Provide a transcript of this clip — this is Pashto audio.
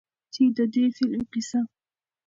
چې د دې فلم قيصه